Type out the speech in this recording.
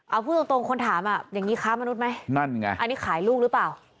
เอาพูดตรงคนถามอ่ะอย่างนี้ค้ามนุษย์ไหมนั่นไงอันนี้ขายลูกหรือเปล่า